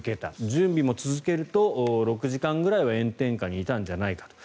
準備も続けると６時間くらいは炎天下にいたんじゃないかと。